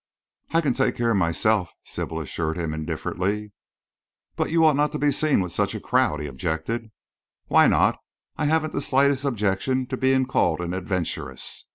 "I can take care of myself," Sybil assured him indifferently. "But you ought not to be seen with such a crowd," he objected. "Why not? I haven't the slightest objection to being called an adventuress.